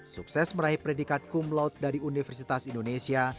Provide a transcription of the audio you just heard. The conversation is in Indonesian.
sukses meraih predikat cum laude dari universitas indonesia